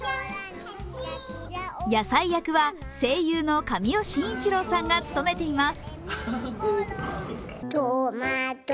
野菜役は声優の神尾晋一郎さんが務めています。